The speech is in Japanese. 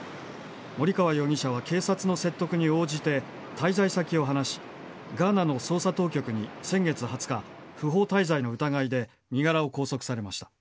森川容疑者は警察の説得に応じて、滞在先を話し、ガーナの捜査当局に先月２０日、不法滞在の疑いで身柄を拘束されました。